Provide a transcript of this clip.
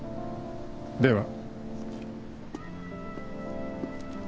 では。